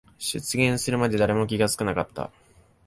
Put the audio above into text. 出現するまで誰も気づかなかった。